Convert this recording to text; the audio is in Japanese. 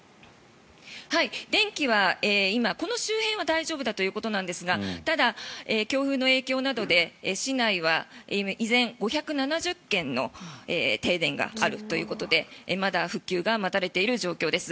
電気は今、この周辺は大丈夫だということなんですがただ、強風の影響などで市内は依然、５７０軒の停電があるということでまだ復旧が待たれている状況です。